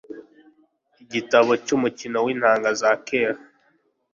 igitabo cyumukino wintanga za kera